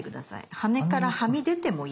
羽からはみ出てもいい。